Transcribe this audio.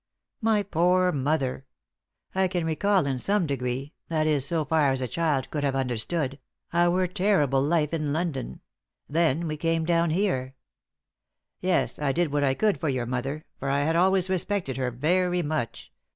"My poor mother! I can recall in some degree that is, so far as a child could have understood our terrible life in London. Then we came down here." "Yes, I did what I could for your mother, for I had always respected her very much.